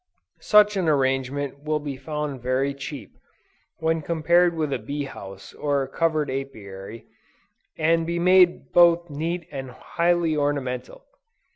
Such an arrangement will be found very cheap, when compared with a Bee House or covered Apiary, and may be made both neat and highly ornamental.